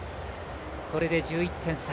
これで１１点差。